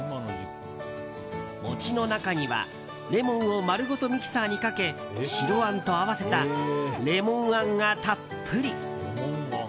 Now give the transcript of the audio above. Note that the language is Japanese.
餅の中にはレモンを丸ごとミキサーにかけ白あんと合わせたレモンあんがたっぷり。